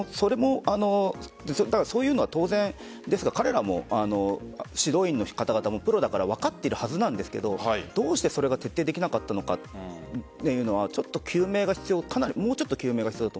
そういうのは当然指導員の方々もプロだから分かっているはずなんですがどうしてそれが徹底できなかったのかというのは究明が必要。